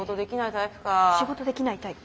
仕事できないタイプか。